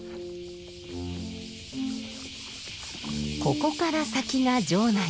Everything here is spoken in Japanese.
ここから先が城内。